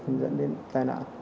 không dẫn đến tai nạn